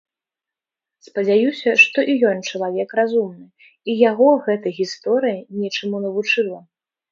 Спадзяюся, што і ён чалавек разумны, і яго гэта гісторыя нечаму навучыла.